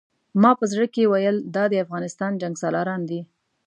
ما په زړه کې ویل دا د افغانستان جنګسالاران دي.